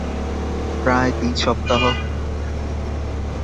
প্রায় তিন সপ্তাহ।